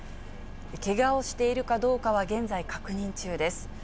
けがをしているかどうかは現在、確認中です。